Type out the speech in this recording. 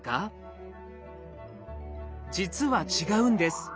実は違うんです。